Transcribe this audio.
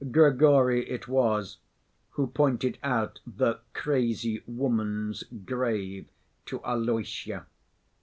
Grigory it was who pointed out the "crazy woman's" grave to Alyosha.